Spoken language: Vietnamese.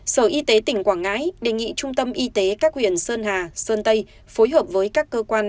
sở y tế tỉnh quảng ngãi đề nghị trung tâm y tế các huyện sơn hà sơn tây phối hợp với các cơ quan